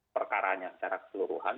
perkaranya secara keseluruhan